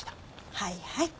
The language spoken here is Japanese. はいはい。